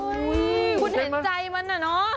คุณเห็นใจมันเหรอเนาะ